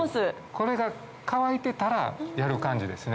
これが乾いてたらやる感じですね。